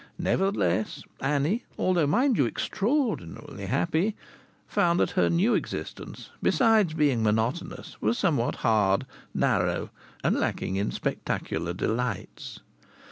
Nevertheless Annie although, mind you, extraordinarily happy found that her new existence, besides being monotonous, was somewhat hard, narrow and lacking in spectacular delights.